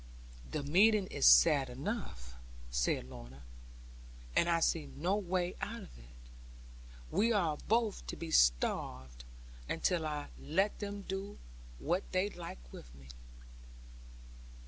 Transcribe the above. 'The meaning is sad enough,' said Lorna; 'and I see no way out of it. We are both to be starved until I let them do what they like with me.